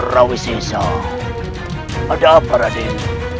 rawi singsal ada apa raden